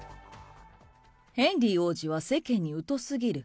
ヘンリー王子は世間に疎すぎる。